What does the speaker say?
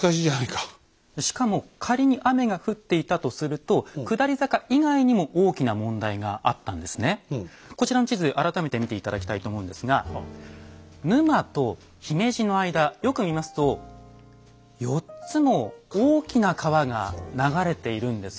しかも仮に雨が降っていたとするとこちらの地図改めて見て頂きたいと思うんですが沼と姫路の間よく見ますと４つも大きな川が流れているんです。